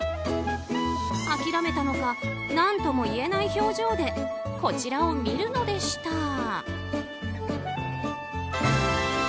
諦めたのか何とも言えない表情でこちらを見るのでした。